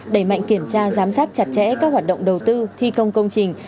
đẩy mạnh kiểm tra giám sát chặt chẽ các hoạt động đầu tư thi công công trình